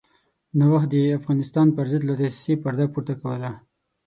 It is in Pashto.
نوښت د افغانستان پرضد له دسیسې پرده پورته کوله.